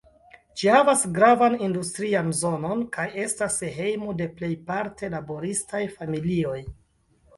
Ĝi havas gravan industrian zonon kaj estas hejmo de plejparte laboristaj familioj.